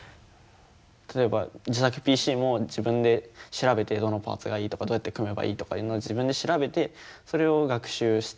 例えば自作ＰＣも自分で調べてどのパーツがいいとかどうやって組めばいいとかいうのを自分で調べてそれを学習して。